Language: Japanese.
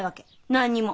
何にも。